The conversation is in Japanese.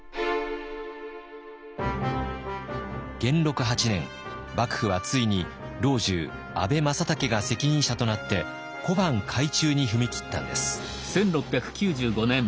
元禄８年幕府はついに老中阿部正武が責任者となって小判改鋳に踏み切ったんです。